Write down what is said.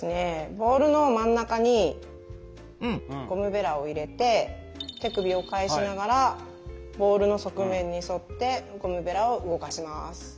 ボウルの真ん中にゴムベラを入れて手首を返しながらボウルの側面に沿ってゴムベラを動かします。